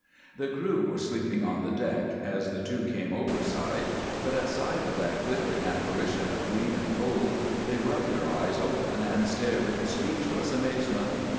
The crew were sleeping on the deck as the two came overside, but at sight of that glittering apparition of green and gold they rubbed their eyes open and stared in speechless amazement.